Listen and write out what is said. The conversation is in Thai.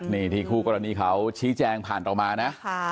นี่ที่คู่กรณีเขาชี้แจงผ่านต่อมานะ